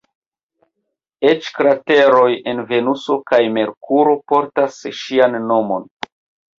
Eĉ krateroj en Venuso kaj Merkuro portas ŝian nomon.